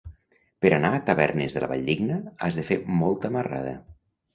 Per anar a Tavernes de la Valldigna has de fer molta marrada.